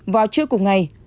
vào trưa cùng ngày